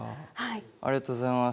ありがとうございます。